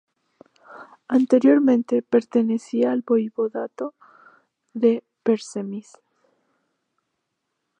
Anteriormente pertenecía al voivodato de Przemyśl.